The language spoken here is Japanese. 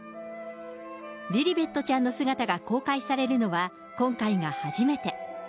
リリベットちゃんの姿が公開されるのは、今回が初めて。